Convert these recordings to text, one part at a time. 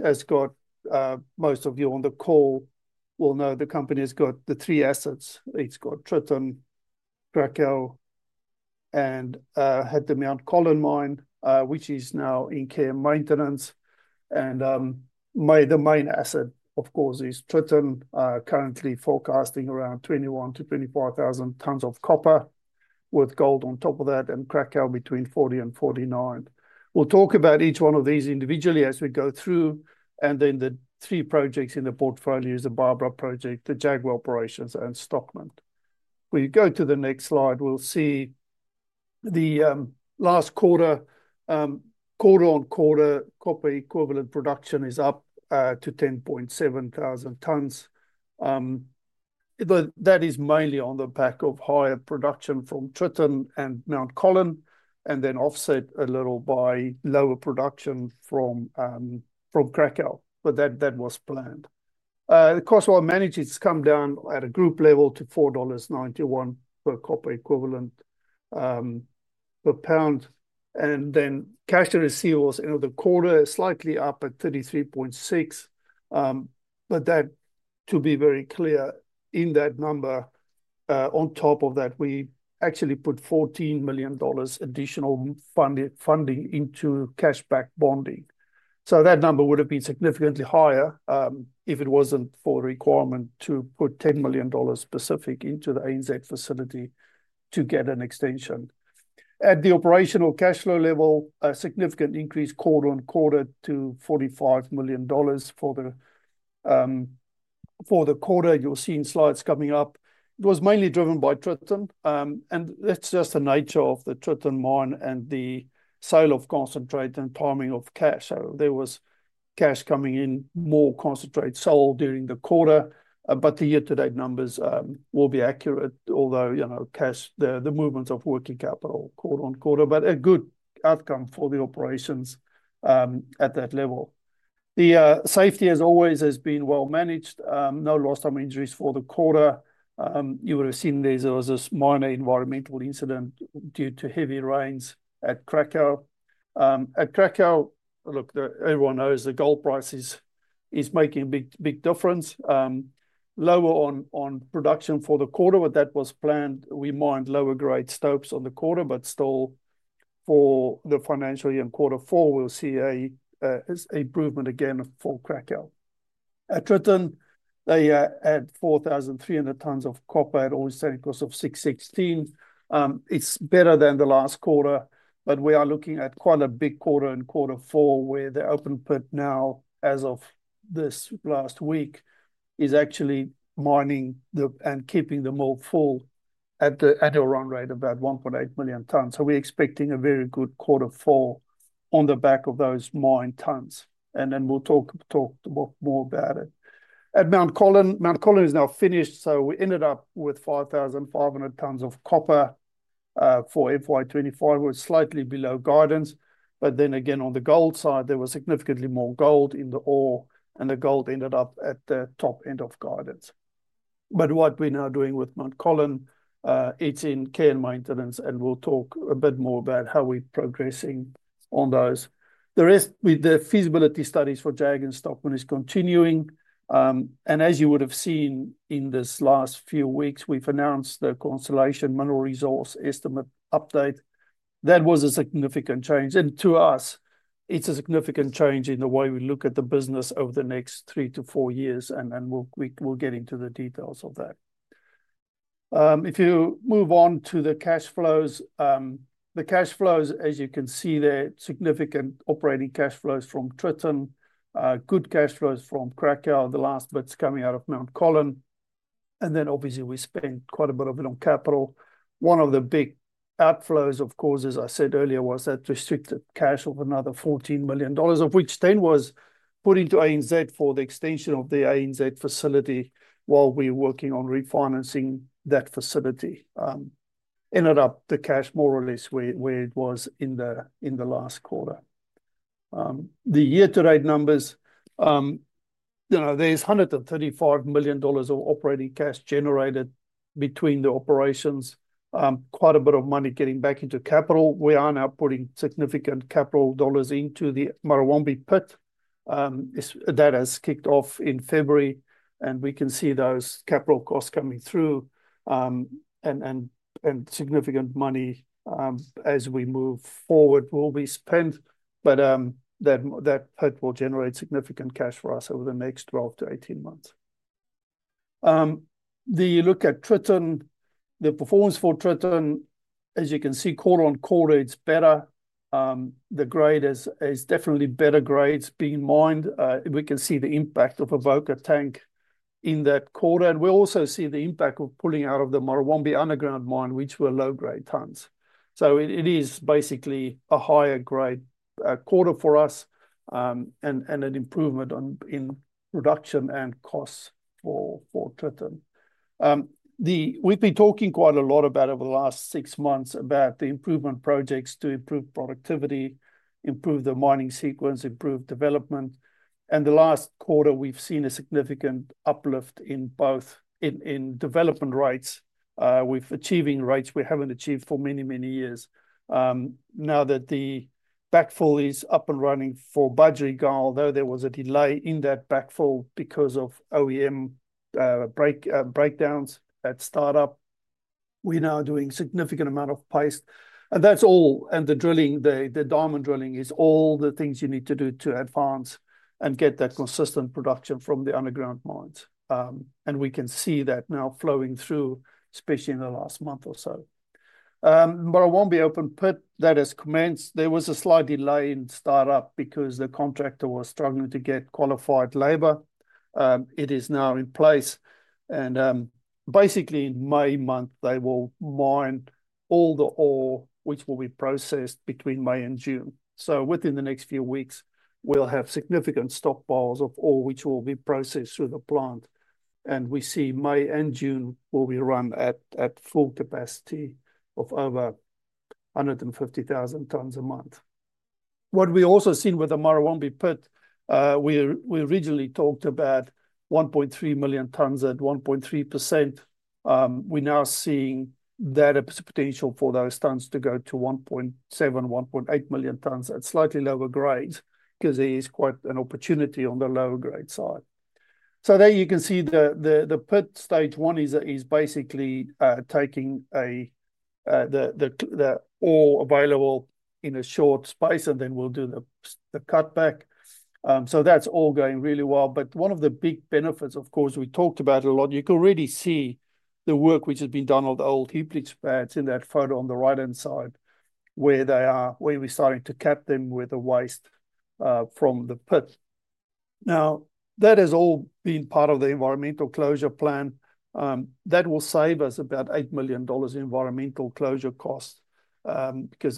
As most of you on the call will know, the company has got the three assets. It's got Tritton, Cracow, and had the Mount Colin mine, which is now in care and maintenance. My main asset, of course, is Tritton, currently forecasting around 21,000-24,000 tons of copper, with gold on top of that, and Cracow between 40,000 and 49,000. We'll talk about each one of these individually as we go through. The three projects in the portfolio are the Barbara Project, the Jaguar Operations, and Stockman. If we go to the next slide, we'll see the last quarter, quarter-on-quarter copper equivalent production is up to 10,700 tons. That is mainly on the back of higher production from Tritton and Mount Colin, and then offset a little by lower production from Cracow, but that was planned. The costs well managed has come down at a group level to 4.91 dollars per copper equivalent, per pound. Cash and receivables was end of the quarter slightly up at 33.6. To be very clear, in that number, on top of that, we actually put 14 million dollars additional funding into cash backed bonding. That number would have been significantly higher if it was not for the requirement to put 10 million dollars specific into the ANZ facility to get an extension. At the operational cash flow level, a significant increase quarter-on-quarter to 45 million dollars for the quarter. You will see in slides coming up. It was mainly driven by Tritton, and that is just the nature of the Tritton mine and the sale of concentrate and timing of cash. There was cash coming in, more concentrate sold during the quarter. The year-to-date numbers will be accurate, although, you know, cash, the movements of working capital quarter-on-quarter, but a good outcome for the operations at that level. The safety has always has been well managed. No lost time injuries for the quarter. You would have seen there was this minor environmental incident due to heavy rains at Cracow. At Cracow, look, everyone knows the gold price is making a big, big difference. Lower on production for the quarter with that was planned. We mined lower grade stopes on the quarter, but still for the financial year and quarter four, we'll see a improvement again for Cracow. At Tritton, they had 4,300 tons of copper at an All-In Sustaining Cost of 6.16. It's better than the last quarter, but we are looking at quite a big quarter in quarter four where the open pit now, as of this last week, is actually mining and keeping the mill full at a run rate of about 1.8 million tons. We are expecting a very good quarter four on the back of those mine tons. We will talk more about it. At Mount Colin, Mount Colin is now finished. We ended up with 5,500 tons of copper for FY2025. We are slightly below guidance. On the gold side, there was significantly more gold in the ore, and the gold ended up at the top end of guidance. What we are now doing with Mount Colin, it is in care and maintenance, and we will talk a bit more about how we are progressing on those. The rest with the feasibility studies for Jaguar and Stockman is continuing. As you would have seen in these last few weeks, we have announced the Constellation Mineral Resource Estimate update. That was a significant change. To us, it is a significant change in the way we look at the business over the next three to four years. We will get into the details of that. If you move on to the cash flows, the cash flows, as you can see, are significant operating cash flows from Tritton, good cash flows from Cracow, the last bits coming out of Mount Colin. Obviously, we spent quite a bit of it on capital. One of the big outflows, of course, as I said earlier, was that restricted cash of another 14 million dollars, of which then was put into ANZ for the extension of the ANZ facility while we were working on refinancing that facility. Ended up the cash more or less where it was in the last quarter. The year-to-date numbers, you know, there's 135 million dollars of operating cash generated between the operations. Quite a bit of money getting back into capital. We are now putting significant capital dollars into the Murrawombie Pit. That has kicked off in February, and we can see those capital costs coming through. Significant money, as we move forward, will be spent. That pit will generate significant cash for us over the next 12-18 months. The look at Tritton, the performance for Tritton, as you can see, quarter-on-quarter, it's better. The grade is definitely better grades being mined. We can see the impact of Avoca Tank in that quarter. We also see the impact of pulling out of the Murrawombie underground mine, which were low grade tons. It is basically a higher grade quarter for us, and an improvement in production and costs for Tritton. We've been talking quite a lot over the last six months about the improvement projects to improve productivity, improve the mining sequence, improve development. In the last quarter, we've seen a significant uplift in both development rates. We're achieving rates we haven't achieved for many, many years. Now that the backfill is up and running for Budgerigar, although there was a delay in that backfill because of OEM breakdowns at startup, we're now doing a significant amount of paste. And that's all. And the drilling, the diamond drilling is all the things you need to do to advance and get that consistent production from the underground mines. We can see that now flowing through, especially in the last month or so. Murrawombie Open Pit, that has commenced. There was a slight delay in startup because the contractor was struggling to get qualified labor. It is now in place. Basically in May month, they will mine all the ore, which will be processed between May and June. Within the next few weeks, we'll have significant stockpiles of ore, which will be processed through the plant. We see May and June will be run at full capacity of over 150,000 tons a month. What we also seen with the Murrawombie Pit, we originally talked about 1.3 million tons at 1.3%. We're now seeing that a potential for those tons to go to 1.7 million-1.8 million tons at slightly lower grades because there is quite an opportunity on the lower grade side. There you can see the pit stage one is basically taking the ore available in a short space, and then we'll do the cutback. That's all going really well. One of the big benefits, of course, we talked about a lot, you can already see the work which has been done on the old heap leach pads in that photo on the right-hand side where they are, where we're starting to cap them with the waste from the pit. That has all been part of the environmental closure plan. That will save us about 8 million dollars environmental closure costs.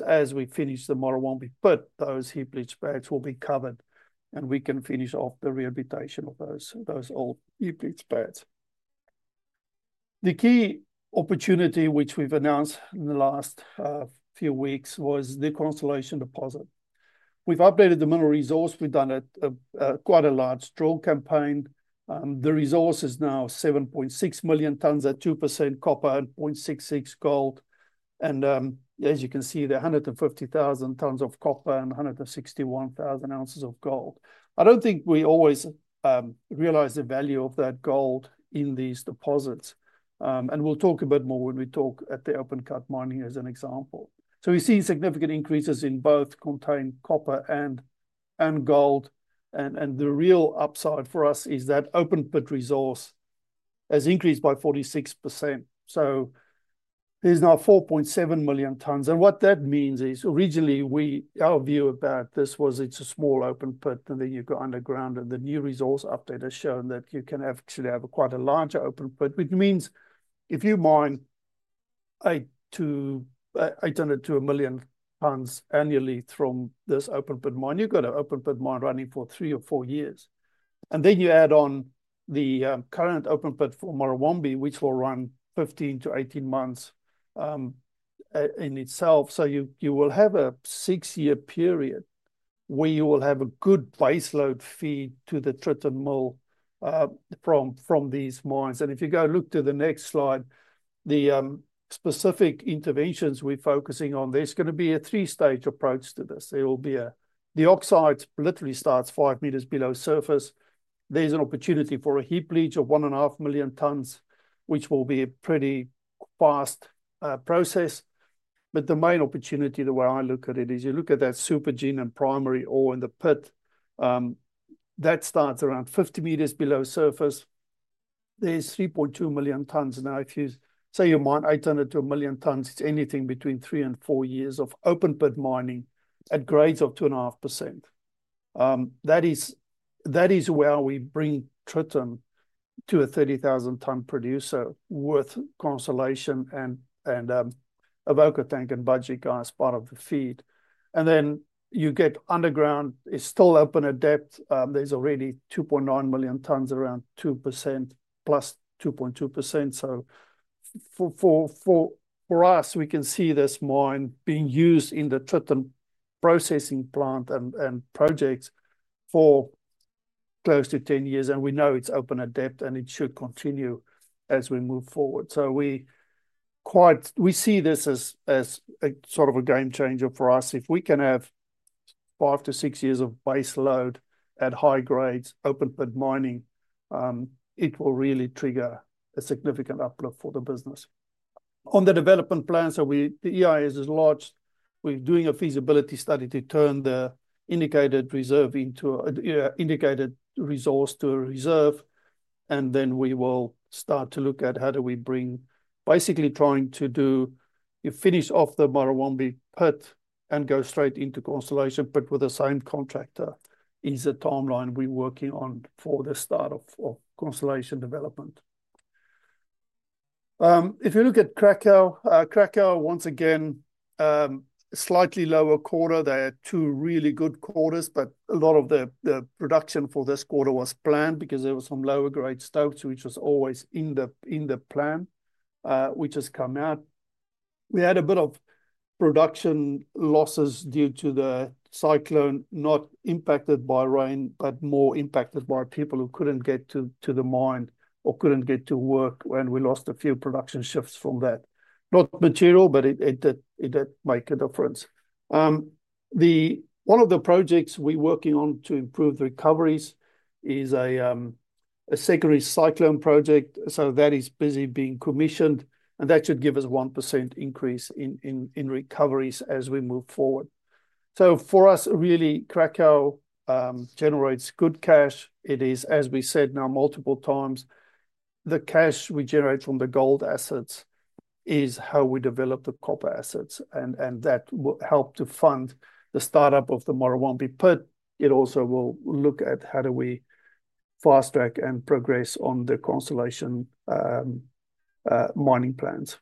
As we finish the Murrawombie Pit, those heap leach pads will be covered and we can finish off the rehabilitation of those old heap leach pads. The key opportunity which we've announced in the last few weeks was the Constellation deposit. We've updated the mineral resource. We've done quite a large drill campaign. The resource is now 7.6 million tons at 2% copper and 0.66 gold. As you can see, the 150,000 tons of copper and 161,000 ounces of gold. I do not think we always realize the value of that gold in these deposits. We will talk a bit more when we talk at the open cut mining as an example. We see significant increases in both contained copper and gold. The real upside for us is that open pit resource has increased by 46%. There is now 4.7 million tons. What that means is originally our view about this was it is a small open pit and then you go underground. The new resource update has shown that you can actually have quite a larger open pit, which means if you mine 800,000 to 1 million tons annually from this open pit mine, you have got an open pit mine running for three or four years. Then you add on the current open pit for Murrawombie, which will run 15-18 months in itself. You will have a six-year period where you will have a good base load feed to the Tritton mill from these mines. If you go look to the next slide, the specific interventions we're focusing on, there's going to be a three-stage approach to this. There will be a, the oxide literally starts five meters below surface. There's an opportunity for a heap leach of 1.5 million tons, which will be a pretty fast process. The main opportunity the way I look at it is you look at that supergene and primary ore in the pit, that starts around 50 meters below surface. There's 3.2 million tons. Now, if you say you mine 800,000 to 1 million tons, it's anything between three and four years of open pit mining at grades of 2.5%. That is where we bring Tritton to a 30,000-ton producer with Constellation and Avoca Tank and Budgerigar as part of the feed. You get underground, it's still open at depth. There's already 2.9 million tons, around 2% plus 2.2%. For us, we can see this mine being used in the Tritton processing plant and projects for close to 10 years. We know it's open at depth and it should continue as we move forward. We see this as a sort of a game changer for us. If we can have five to six years of base load at high grades, open pit mining, it will really trigger a significant uplift for the business. On the development plan, the EIS is large. We're doing a feasibility study to turn the indicated resource into a reserve. Then we will start to look at how do we bring basically trying to finish off the Murrawombie Pit and go straight into Constellation Pit with the same contractor. That is the timeline we're working on for the start of Constellation development. If you look at Cracow, Cracow once again, slightly lower quarter. There are two really good quarters, but a lot of the production for this quarter was planned because there were some lower grade stopes, which was always in the plan, which has come out. We had a bit of production losses due to the cyclone, not impacted by rain, but more impacted by people who could not get to the mine or could not get to work. We lost a few production shifts from that. Not material, but it did make a difference. One of the projects we are working on to improve the recoveries is a secondary cyclone project. That is busy being commissioned. That should give us 1% increase in recoveries as we move forward. For us, really, Cracow generates good cash. It is, as we said now multiple times, the cash we generate from the gold assets is how we develop the copper assets. That will help to fund the startup of the Murrawombie Pit. It also will look at how do we fast track and progress on the Constellation mining plans.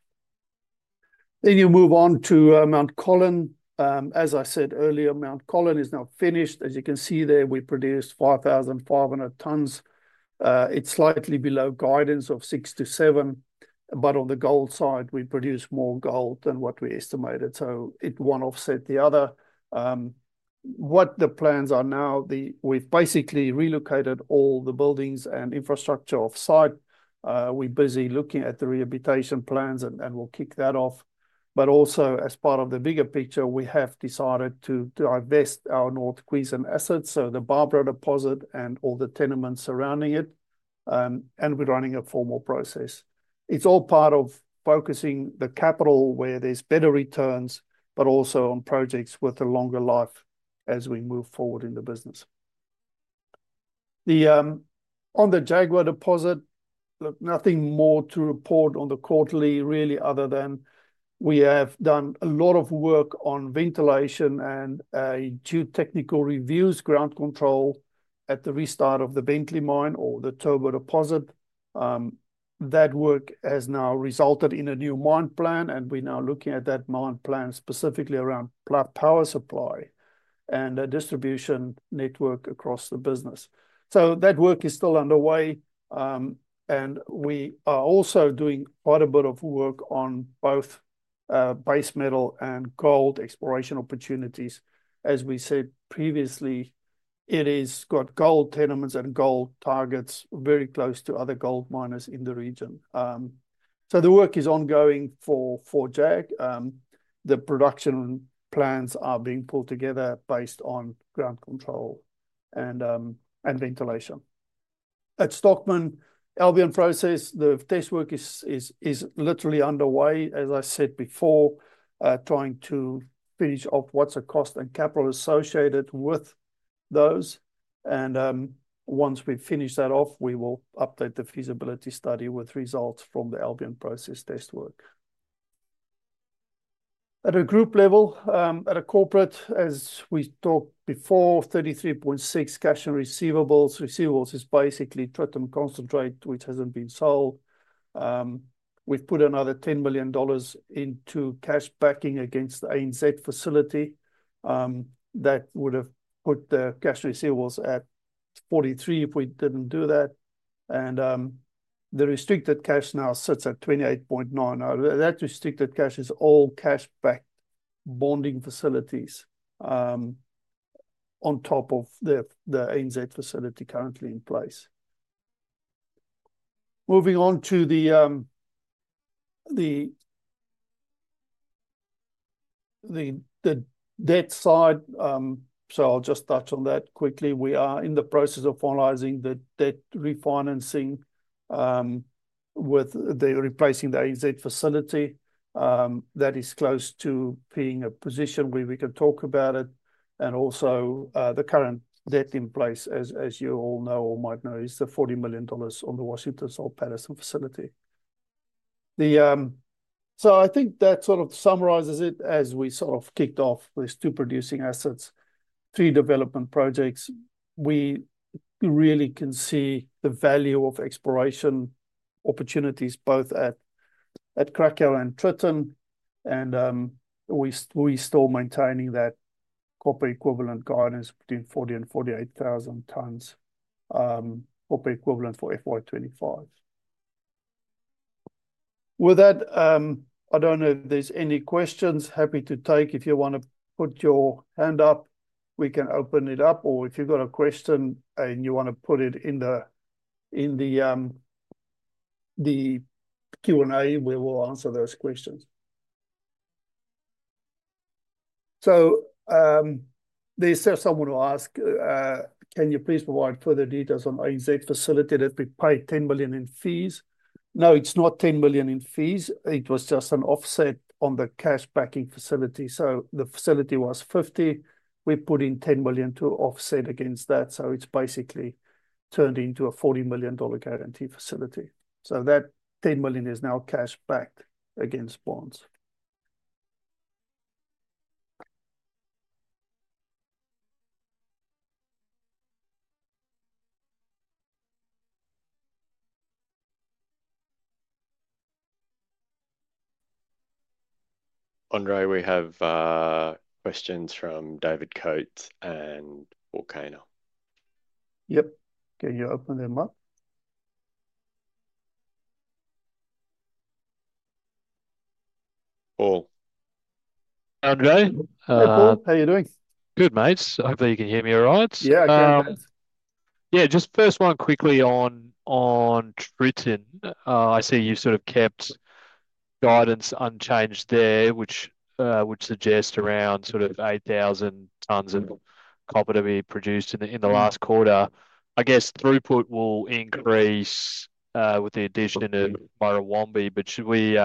You move on to Mount Colin. As I said earlier, Mount Colin is now finished. As you can see there, we produced 5,500 tons. It is slightly below guidance of 6-7. On the gold side, we produced more gold than what we estimated. It one offset the other. What the plans are now, we have basically relocated all the buildings and infrastructure offsite. We are busy looking at the rehabilitation plans and we will kick that off. As part of the bigger picture, we have decided to divest our North Queensland assets, so the Barbara deposit and all the tenements surrounding it. We are running a formal process. It's all part of focusing the capital where there's better returns, but also on projects with a longer life as we move forward in the business. On the Jaguar deposit, look, nothing more to report on the quarterly, really, other than we have done a lot of work on ventilation and geotechnical reviews, ground control at the restart of the Bentley Mine or the Turbo deposit. That work has now resulted in a new mine plan. We are now looking at that mine plan specifically around power supply and a distribution network across the business. That work is still underway. We are also doing quite a bit of work on both base metal and gold exploration opportunities. As we said previously, it has got gold tenements and gold targets very close to other gold miners in the region. The work is ongoing for Jag. The production plans are being pulled together based on ground control and ventilation. At Stockman, Albion Process, the test work is literally underway, as I said before, trying to finish off what is the cost and capital associated with those. Once we finish that off, we will update the feasibility study with results from the Albion Process test work. At a group level, at a corporate, as we talked before, 33.6 million cash and receivables. Receivables is basically Tritton concentrate, which has not been sold. We have put another 10 million dollars into cash backing against the ANZ facility. That would have put the cash receivables at 43 million if we did not do that. The restricted cash now sits at 28.9 million. That restricted cash is all cash backed bonding facilities, on top of the ANZ facility currently in place. Moving on to the debt side. I'll just touch on that quickly. We are in the process of finalizing the debt refinancing, with replacing the ANZ facility. That is close to being a position where we can talk about it. Also, the current debt in place, as you all know or might know, is the 40 million dollars on the Washington H. Soul Pattinson facility. I think that sort of summarizes it as we kicked off with two producing assets, three development projects. We really can see the value of exploration opportunities both at Cracow and Tritton. We still maintaining that copper equivalent guidance between 40,000 and 48,000 tons, copper equivalent for FY2025. With that, I don't know if there's any questions. Happy to take if you want to put your hand up, we can open it up. If you have a question and you want to put it in the Q&A, we will answer those questions. There's just someone who asked, can you please provide further details on ANZ facility that we pay 10 million in fees? No, it's not 10 million in fees. It was just an offset on the cash backing facility. The facility was 50 million. We put in 10 million to offset against that. It's basically turned into a 40 million dollar guarantee facility. That 10 million is now cash backed against bonds. André, we have questions from David Coates and Paul Kaner. Yep. Can you open them up? Paul. André. Hey, Paul. How are you doing? Good, mate. Hopefully you can hear me all right. Yeah, good. Just first one quickly on Tritton. I see you've sort of kept guidance unchanged there, which would suggest around sort of 8,000 tons of copper to be produced in the in the last quarter. I guess throughput will increase, with the addition of Murrawombie, but should we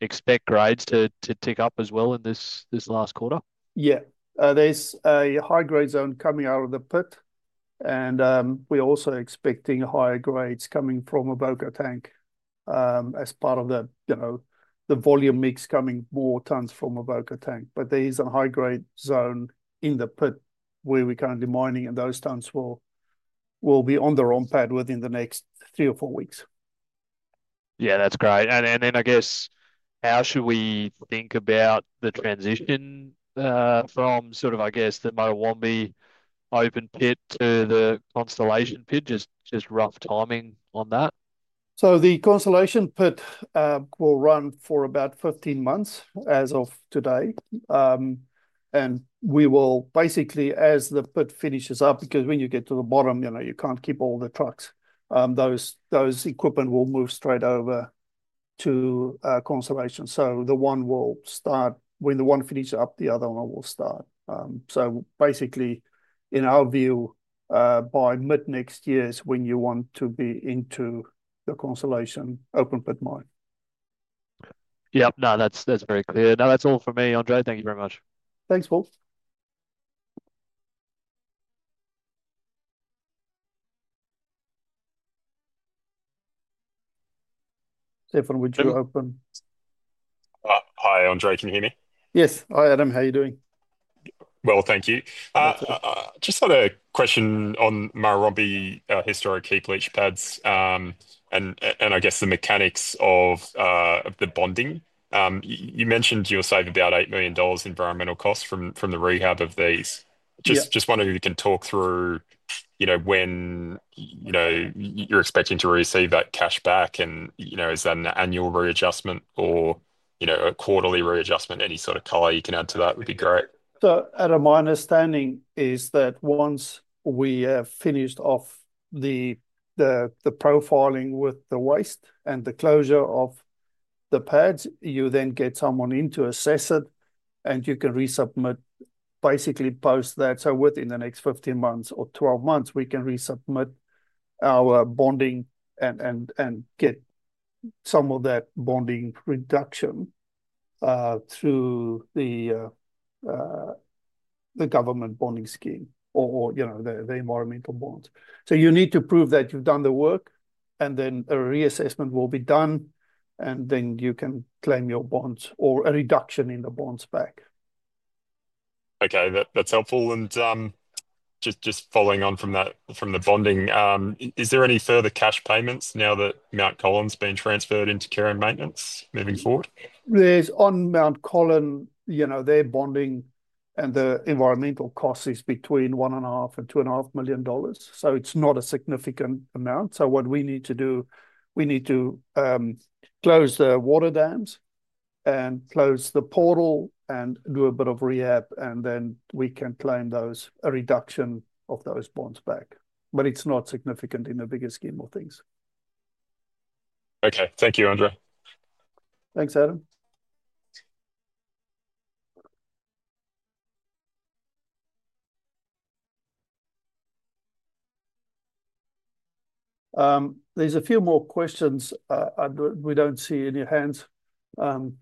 expect grades to to tick up as well in this this last quarter? Yeah. There's a high grade zone coming out of the pit. And we're also expecting higher grades coming from Avoca Tank, as part of the, you know, the volume mix coming more tons from Avoca Tank. But there is a high grade zone in the pit where we're currently mining. And those tons will be on the ROM pad within the next three or four weeks. Yeah, that's great. And then I guess, how should we think about the transition, from sort of, I guess, the Murrawombie open pit to the Constellation pit? Just rough timing on that. The Constellation pit will run for about 15 months as of today. We will basically, as the pit finishes up, because when you get to the bottom, you know, you cannot keep all the trucks. Those equipment will move straight over to Constellation. The one will start when the one finishes up, the other one will start. Basically, in our view, by mid next year is when you want to be into the Constellation open pit mine. Yep. No, that is very clear. No, that is all for me, André. Thank you very much. Thanks, Paul. Stefan, would you open? Hi, André. Can you hear me? Yes. Hi, Adam. How are you doing? Well, thank you. I just had a question on Murrawombie historic heap leach pads, and I guess the mechanics of the bonding. You mentioned you'll save about 8 million dollars in environmental costs from the rehab of these. Just wondering if you can talk through, you know, when you know you're expecting to receive that cash backed. And, you know, is that an annual readjustment or, you know, a quarterly readjustment? Any sort of color you can add to that would be great. At a minor standing is that once we have finished off the profiling with the waste and the closure of the pads, you then get someone in to assess it and you can resubmit, basically post that. Within the next 15 months or 12 months, we can resubmit our bonding and get some of that bonding reduction, through the government bonding scheme or, you know, the environmental bonds. You need to prove that you've done the work and then a reassessment will be done and then you can claim your bonds or a reduction in the bonds back. Okay, that's helpful. Just following on from that, from the bonding, is there any further cash payments now that Mount Colin's been transferred into care and maintenance moving forward? There's on Mount Colin, you know, their bonding and the environmental cost is between 1.5 million dollars and AUD 2.5 million. So it's not a significant amount. What we need to do, we need to close the water dams and close the portal and do a bit of rehab and then we can claim those, a reduction of those bonds back. It's not significant in the bigger scheme of things. Okay, thank you, André. Thanks, Adam. There's a few more questions. I don't, we don't see any hands. We've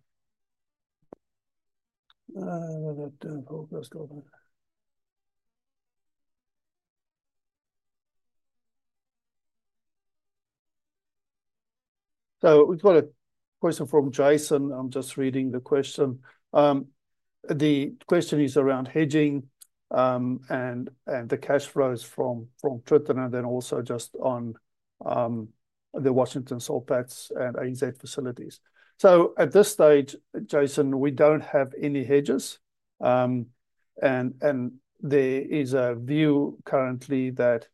got a question from Jason. I'm just reading the question. The question is around hedging, and the cash flows from Tritton and then also just on the Washington Soul Patts and ANZ facilities. At this stage, Jason, we don't have any hedges, and there is a view currently that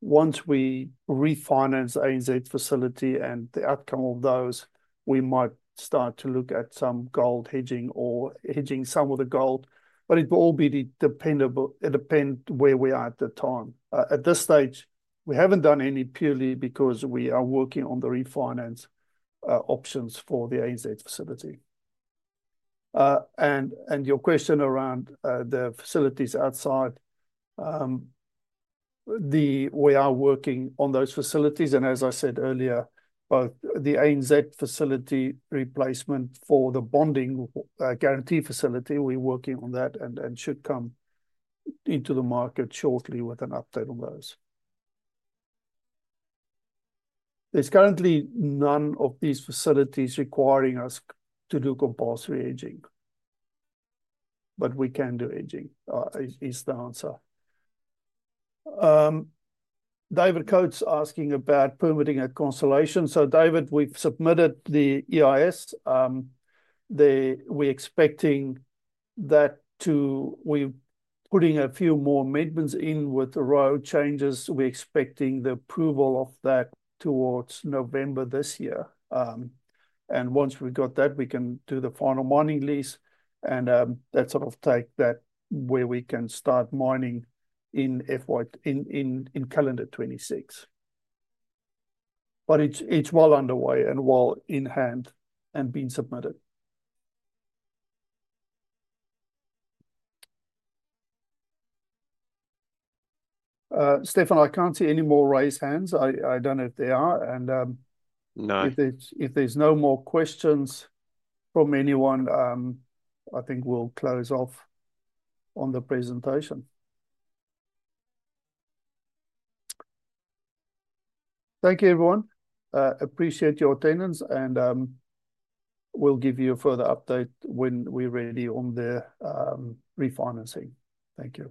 once we refinance ANZ facility and the outcome of those, we might start to look at some gold hedging or hedging some of the gold. It will all be dependable. It depends where we are at the time. At this stage, we haven't done any purely because we are working on the refinance options for the ANZ facility. Your question around the facilities outside, we are working on those facilities. As I said earlier, both the ANZ facility replacement for the bonding, guarantee facility, we're working on that and should come into the market shortly with an update on those. There's currently none of these facilities requiring us to do compulsory hedging, but we can do hedging is the answer. David Coates asking about permitting at Constellation. David, we've submitted the EIS. We're expecting that to, we're putting a few more amendments in with the road changes. We're expecting the approval of that towards November this year. Once we've got that, we can do the final mining lease and that sort of take that where we can start mining in FY in calendar 2026. It's well underway and well in hand and being submitted. Stefan, I can't see any more raised hands. I don't know if there are. No. If there's no more questions from anyone, I think we'll close off on the presentation. Thank you, everyone. Appreciate your attendance and we'll give you a further update when we're ready on the refinancing. Thank you.